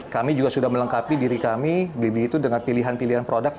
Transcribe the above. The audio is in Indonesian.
kami juga sudah melengkapi diri kami bbm itu dengan pilihan pilihan produk